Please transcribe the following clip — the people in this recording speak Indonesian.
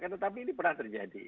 tetapi ini pernah terjadi